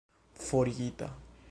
forigita